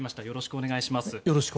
よろしくお願いします。